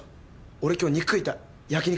俺今日肉食いたい焼き肉。